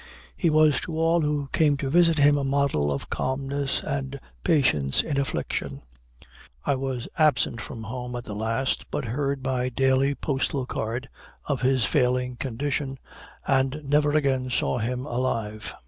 He was to all who came to visit him a model of calmness and patience in affliction. I was absent from home at the last, but heard by daily postal card of his failing condition; and never again saw him alive.